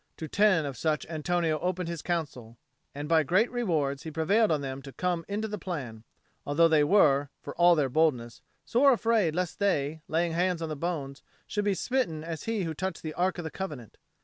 To ten of such Antonio opened his counsel; and by great rewards he prevailed on them to come into the plan, although they were, for all their boldness, very sore afraid lest they, laying hands on the bones, should be smitten as was he who touched the Ark of the Covenant.